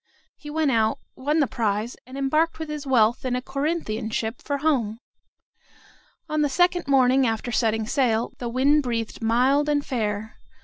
He went, won the prize, and embarked with his wealth in a Corinthian ship for home. On the second morning after setting sail, the wind breathed mild and fair.